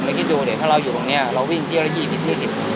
เดี๋ยวถ้าเราอยู่ตรงเนี้ยเราวิ่งเยี่ยวแล้วยี่สิบยี่สิบ